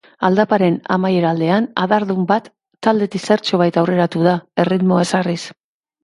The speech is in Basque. Aldaparen amaiera aldean adardun bat taldetik zertxobait aurreratu da, erritmoa ezarriz.